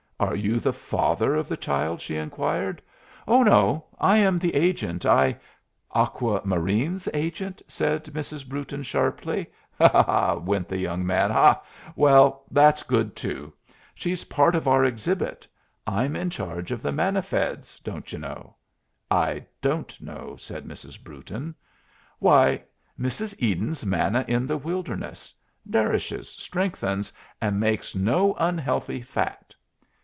"Are you the father of the child?" she inquired. "Oh no! I am the agent. I " "Aqua Marine's agent?" said Mrs. Brewton, sharply. "Ha, ha!" went the young man. "Ha, ha! Well, that's good too. She's part of our exhibit. I'm in charge of the manna feds, don't you know?" "I don't know," said Mrs. Brewton. "Why, Mrs. Eden's Manna in the Wilderness! Nourishes, strengthens, and makes no unhealthy fat.